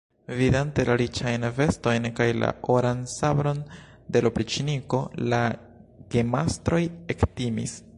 Vidante la riĉajn vestojn kaj la oran sabron de l' opriĉniko, la gemastroj ektimis.